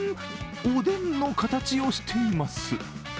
おでんの形をしています。